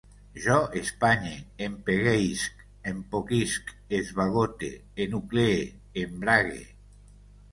Jo espanye, empegueïsc, empoquisc, esbagote, enuclee, embrague